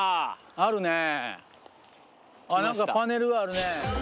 あっ何かパネルがあるね。